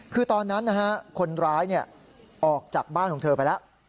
คือตอนนั้นคนร้ายออกจากบ้านของเธอไปแล้ว